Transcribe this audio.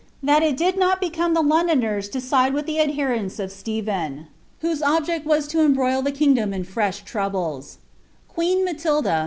^ that it dill not become the Londoners to side with the adherenit uf Stephen, wliose object was lo embroil the kingdom in fresh troublm."* Queen Matilda.